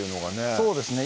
そうですね